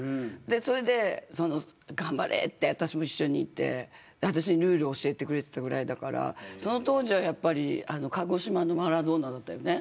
それで頑張れって私も一緒にいて私にルールを教えてくれたぐらいだからその当時は鹿児島のマラドーナだったよね